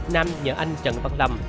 nam nhờ anh trần văn lâm